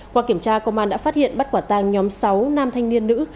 qua kiểm tra công an đã phát hiện bắt quả tàng nhóm sáu nam thanh niên nữ